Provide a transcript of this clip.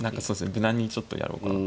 無難にちょっとやろうかなと。